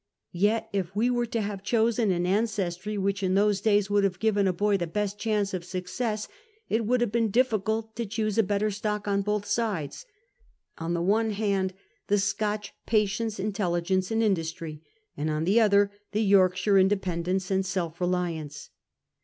Yet if avc were to have chosen an ancestry Avhich in those days would have given a boy the l)est chance of success, it would have been difficult to choose a better stock on both sides — on the one hand the Scotch patience, intelligence, and industry, and on the other hand the Yorkshire independence and s(^lf reliallce.